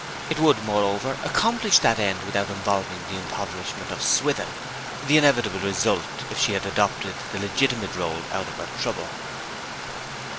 It would, moreover, accomplish that end without involving the impoverishment of Swithin the inevitable result if she had adopted the legitimate road out of her trouble.